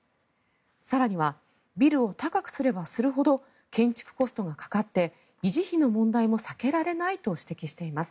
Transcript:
更にはビルを高くすればするほど建築コストがかかって維持費の問題も避けられないと指摘しています。